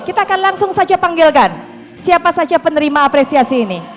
kita panggilkan siapa saja penerima apresiasi ini